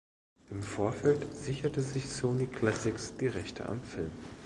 Im Vorfeld sicherte sich Sony Classics die Rechte am Film.